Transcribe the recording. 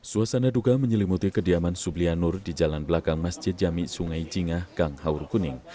suasana duka menyelimuti kediaman sublianur di jalan belakang masjid jami sungai jingah gang haur kuning